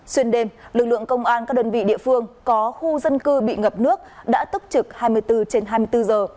xuyên đêm lực lượng công an các đơn vị địa phương có khu dân cư bị ngập nước đã tức trực hai mươi bốn trên hai mươi bốn giờ